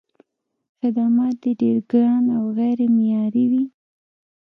خدمات یې ډېر ګران او غیر معیاري وي.